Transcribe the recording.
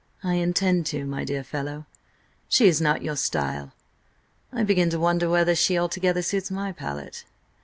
"I intend to, my dear fellow. She is not your style. I begin to wonder whether she altogether suits my palate."